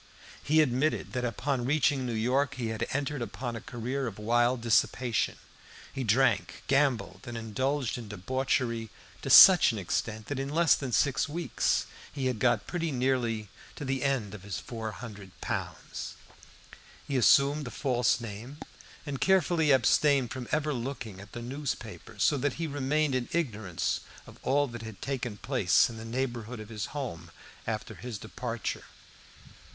He admitted that upon reaching New York he had entered upon a career of wild dissipation. He drank, gambled and indulged in debauchery to such an extent that in less than six weeks he had got pretty nearly to the end of his four hundred pounds. He assumed a false name and carefully abstained from ever looking at the newspapers, so that he remained in ignorance of all that had taken place in the neighborhood of his home after his departure.